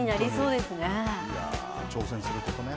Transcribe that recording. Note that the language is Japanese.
挑戦することね。